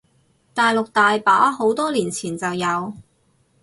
大陸大把，好多年前就有